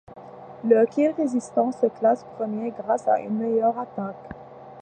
Le Kirghizistan se classe premier grâce à une meilleure attaque.